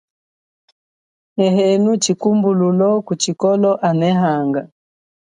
Nehenu chikumbululo ku chikulo anehanga.